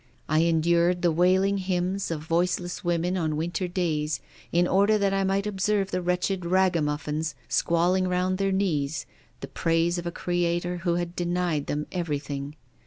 I endured the wailing hymns of voiceless women on winter days in order that I might observe the wretched ragamufifins squalling round their knees the praise of a Creator who had denied them everything.